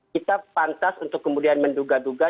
kita pantas untuk kemudian menduga duga